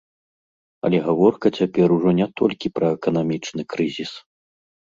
Але гаворка цяпер ужо не толькі пра эканамічны крызіс.